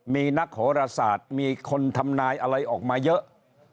มีนักโหรศาสตร์มีคนทำนายอะไรออกมาเยอะ